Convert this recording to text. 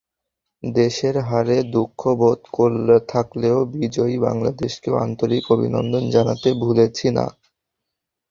দেশের হারে দুঃখবোধ থাকলেও বিজয়ী বাংলাদেশকেও আন্তরিক অভিনন্দন জানাতে ভুলছে না।